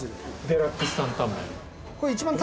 デラックスタンタンメン。